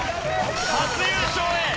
初優勝へ。